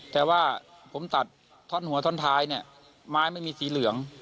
แต่ว่าผมตัดท่อนหัวท่อนท้ายเนี่ยไม้ไม่มีสีเหลือง